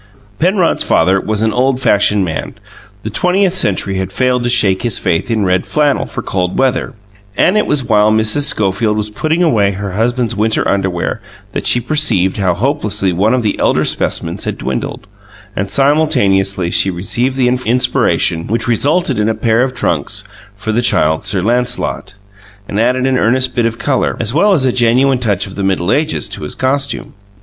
Penrod's father was an old fashioned man: the twentieth century had failed to shake his faith in red flannel for cold weather; and it was while Mrs. Schofield was putting away her husband's winter underwear that she perceived how hopelessly one of the elder specimens had dwindled; and simultaneously she received the inspiration which resulted in a pair of trunks for the Child Sir Lancelot, and added an earnest bit of colour, as well as a genuine touch of the Middle Ages, to his costume.